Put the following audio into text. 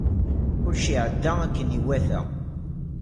Kullec iɛedda akken iwata.